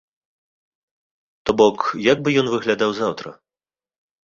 То бок, як бы ён выглядаў заўтра.